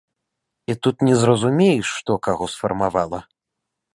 І тут не зразумееш, што каго сфармавала.